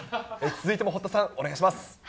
続いても堀田さん、お願いします。